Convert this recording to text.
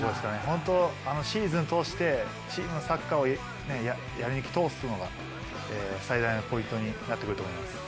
本当に、シーズン通してチームのサッカーをやり抜き通すのが最大のポイントになってくると思います。